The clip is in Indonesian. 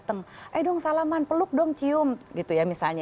tapi tidak memerlukan altro disituuit di luar lubang